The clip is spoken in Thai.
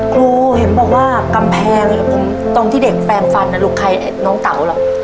ครูเห็นป่ะว่ากำแพงตอนที่เด็กแปรงฟันน้องเต๋าเหรอ